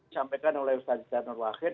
sampaikan oleh ustaz zainul wahid